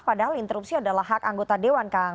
padahal interupsi adalah hak anggota dewan kang